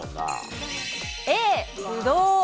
Ａ、ぶどう。